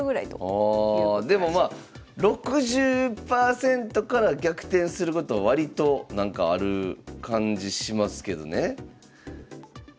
ああでもまあ６０％から逆転すること割となんかある感じしますけどね。